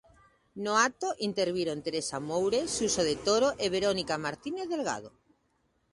No acto interviron Teresa Moure, Suso de Toro e Verónica Martínez Delgado.